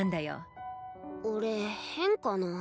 俺変かな？